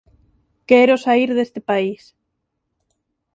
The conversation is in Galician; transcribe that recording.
Quero saír deste país".